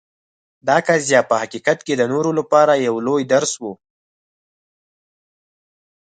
دا قضیه په حقیقت کې د نورو لپاره یو لوی درس و.